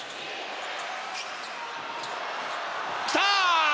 きた！